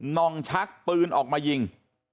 น่องชักปืนออกมายิง